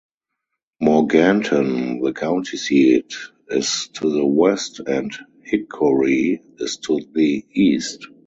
Morganton, the county seat, is to the west, and Hickory is to the east.